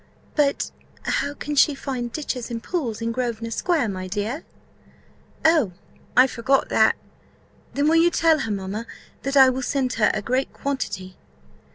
"But how can she find ditches and pools in Grosvenor square, my dear?" "Oh, I forgot that. Then will you tell her, mamma, that I will send her a great quantity?"